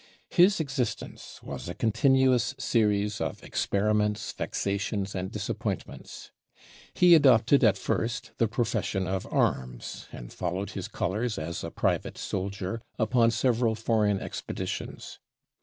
His existence was a continuous series of experiments, vexations, and disappointments. He adopted at first the profession of arms, and followed his colors as a private soldier upon several foreign expeditions.